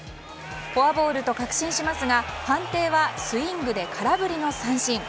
フォアボールと確信しますが判定はスイングで空振りの三振。